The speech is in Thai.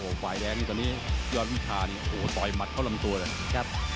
ฝ่ายแดงนี่ตอนนี้ยอดวิชานี่โอ้โหต่อยหมัดเข้าลำตัวเลยครับ